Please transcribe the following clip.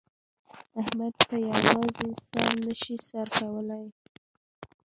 احمد په په یوازې سر نه شي سر کولای.